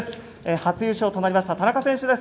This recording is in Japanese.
初優勝となりました田中選手です。